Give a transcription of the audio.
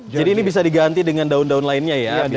jadi ini bisa diganti dengan daun daun lainnya ya bisa